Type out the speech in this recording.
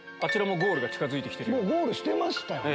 ゴールしてましたよね？